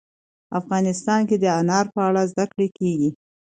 افغانستان کې د انار په اړه زده کړه کېږي.